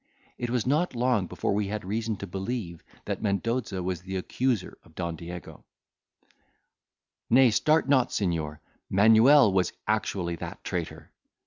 It was not long before we had reason to believe that Mendoza was the accuser of Don Diego— "Nay, start not, Signior; Manuel was actually that traitor!